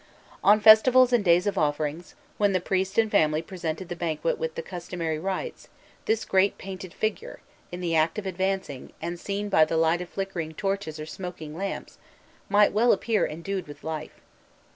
On festivals and days of offering, when the priest and family presented the banquet with the customary rites, this great painted figure, in the act of advancing, and seen by the light of flickering torches or smoking lamps, might well appear endued with life.